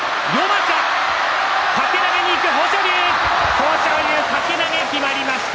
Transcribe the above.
豊昇龍掛け投げがきまりました。